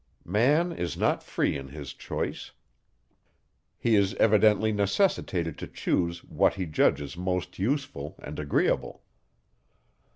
Man is not free in his choice; he is evidently necessitated to choose what he judges most useful and agreeable.